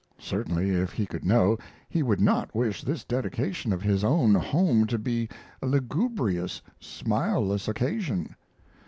Certainly, if he could know, he would not wish this dedication of his own home to be a lugubrious, smileless occasion.